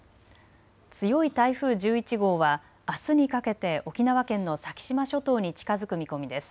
強い台風１１号はあすにかけて沖縄県の先島諸島に近づく見込みです。